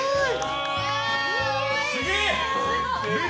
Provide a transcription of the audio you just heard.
すげえ！